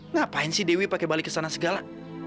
ngapain sih dewi pakai balik ke sana segala